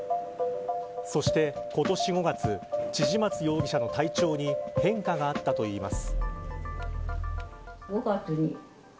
そして、今年５月千々松容疑者の体調に変化があったといいます。